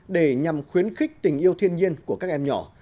để nhằm khuyến khích tình yêu thiên nhiên của các em nhỏ